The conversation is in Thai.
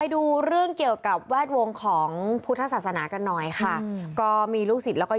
ดูเรื่องเกี่ยวกับแวดวงของพุทธศาสนากันหน่อยค่ะก็มีลูกศิษย์แล้วก็